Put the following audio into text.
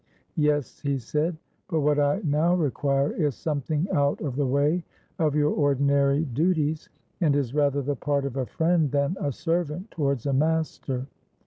—'Yes,' he said; 'but what I now require is something out of the way of your ordinary duties, and is rather the part of a friend, than a servant towards a master.'